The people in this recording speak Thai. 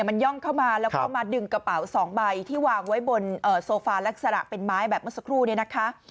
มันย่องเข้ามาแล้วก็มาดึงกระเป๋า๒ใบที่วางไว้บนโซฟาลักษณะเป็นไม้แบบเมื่อสักครู่เนี่ยนะคะ